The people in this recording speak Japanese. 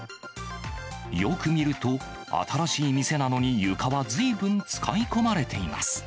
よく見ると新しい店なのに、床はずいぶん使い込まれています。